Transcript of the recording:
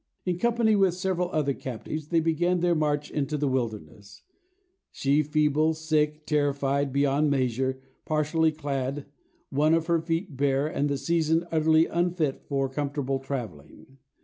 In company with several other captives, they began their march into the wilderness; she feeble, sick, terrified beyond measure, partially clad, one of her feet bare, and the season utterly unfit for comfortable travelling.